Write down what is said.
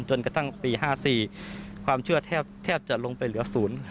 จนกระทั่งปี๕๔ความเชื่อแทบจะลงไปเหลือ๐